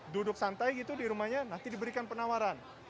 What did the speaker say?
duduk santai gitu di rumahnya nanti diberikan penawaran